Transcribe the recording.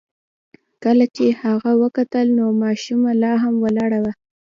کله چې هغه وکتل نو ماشومه لا هم ولاړه وه.